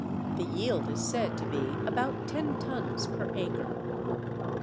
The yield is said to be about ten tons per acre.